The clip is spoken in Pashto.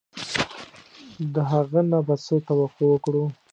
د هغه نه به څه توقع وکړو.